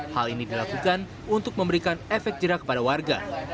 hal ini dilakukan untuk memberikan efek jerak kepada warga